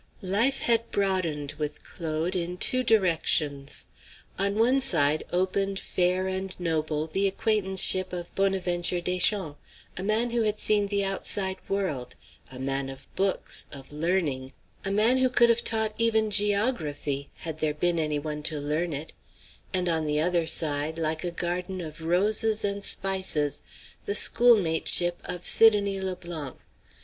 Life had broadened with Claude in two directions. On one side opened, fair and noble, the acquaintanceship of Bonaventure Deschamps, a man who had seen the outside world, a man of books, of learning, a man who could have taught even geography, had there been any one to learn it; and on the other side, like a garden of roses and spices, the schoolmateship of Sidonie Le Blanc.